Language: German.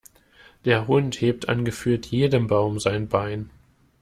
Der Hund hebt an gefühlt jedem Baum sein Bein.